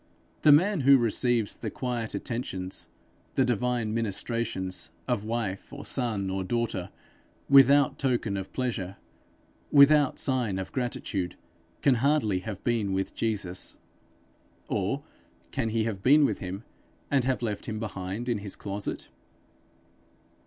The man who receives the quiet attentions, the divine ministrations, of wife or son or daughter, without token of pleasure, without sign of gratitude, can hardly have been with Jesus. Or can he have been with him, and have left him behind in his closet?